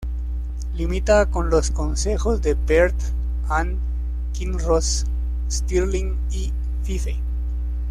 Limita con los concejos de Perth and Kinross, Stirling y Fife.